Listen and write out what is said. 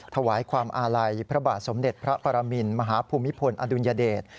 ถวายความอาลัยพระบาทสมเด็จพระปรมินมหาภูมิพลอดุลยเดช